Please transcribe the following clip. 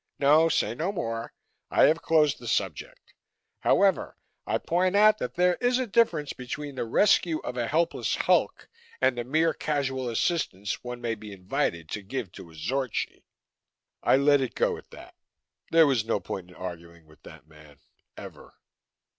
No, say no more; I have closed the subject. However, I point out that there is a difference between the rescue of a helpless hulk and the mere casual assistance one may be invited to give to a Zorchi." I let it go at that. There was no point in arguing with that man, ever.